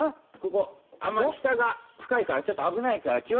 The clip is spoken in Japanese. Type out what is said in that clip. ここ下が深いからちょっと危ないから。